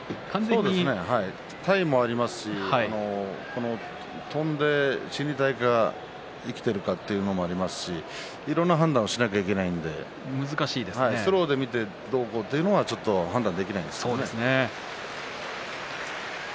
体もありますし飛んで死に体が生きているかというのもありますしいろいろ判断しなければなりませんのでスローで見てということだけでは判断できないですね。